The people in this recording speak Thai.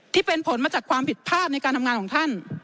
ที่เป็นผลมาจากความผิดพลาดในการทำงานของท่าน